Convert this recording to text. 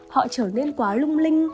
họ trở nên quá lung linh